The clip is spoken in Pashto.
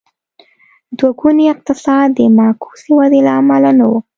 دوه ګونی اقتصاد د معکوسې ودې له امله نه و.